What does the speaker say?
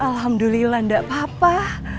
alhamdulillah gak apa apa